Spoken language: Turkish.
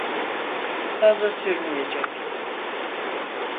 Fazla sürmeyecek.